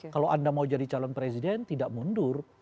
kalau anda mau jadi calon presiden tidak mundur